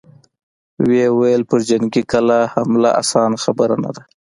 ويې ويل: پر جنګي کلا حمله اسانه خبره نه ده!